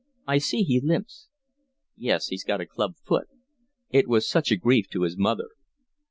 I see he limps." "Yes, he's got a club foot. It was such a grief to his mother."